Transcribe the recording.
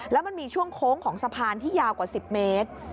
แล้วมันมีช่วงโค้งของสะพานที่ยาวกว่า๑๐เมตร